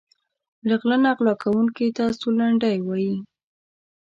له غله نه غلا کونکي ته سورلنډی وايي.